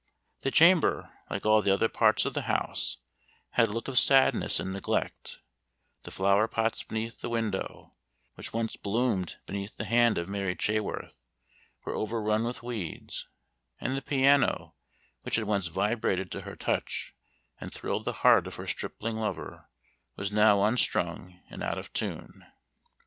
The chamber, like all the other parts of the house, had a look of sadness and neglect; the flower pots beneath the window, which once bloomed beneath the hand of Mary Chaworth, were overrun with weeds; and the piano, which had once vibrated to her touch, and thrilled the heart of her stripling lover, was now unstrung and out of tune.